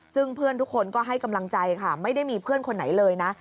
ซึ่งเพื่อนทุกคนก็ให้กำลังใจค่ะไม่ได้มีเพื่อนคนไหนเลยนะ